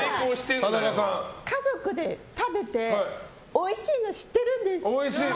家族で食べておいしいの知ってるんです。